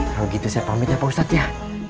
kalau gitu saya pamit ya pak ustadz ya